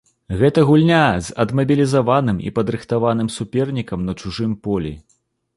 Гэта гульня з адмабілізаваным і падрыхтаваным супернікам на чужым полі.